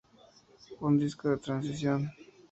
Un disco de transición.